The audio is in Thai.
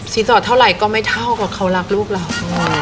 สอดเท่าไหร่ก็ไม่เท่ากับเขารักลูกเรา